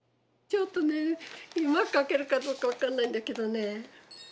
ちょっとねうまく描けるかどうか分かんないんだけどね。